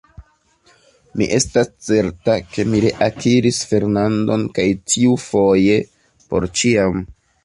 Mi estas certa, ke mi reakiris Fernandon, kaj tiufoje por ĉiam.